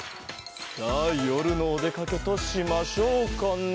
さあよるのおでかけとしましょうかね。